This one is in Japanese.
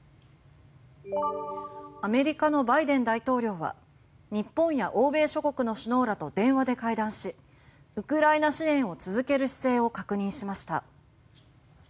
アメリカのバイデン大統領は日本や欧米諸国の首脳らと電話で会談し、ウクライナ支援を続ける姿勢を確認しました。